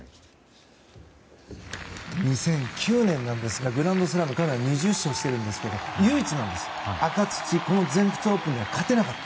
２００９年なんですがグランドスラム彼は２０勝していますが唯一の赤土、全仏オープンでは勝てなかった。